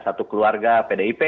satu keluarga pdip